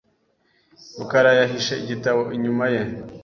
rukara yahishe igitabo inyuma ye .